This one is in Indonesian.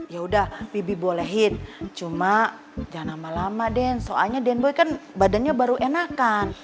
yaudah bibi bolehin cuma jangan lama lama den soalnya den boy kan badannya baru enakan